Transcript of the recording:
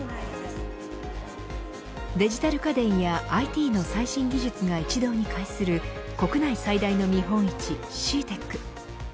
デジタル家電やＩＴの最新技術が一堂に会する国内最大の見本市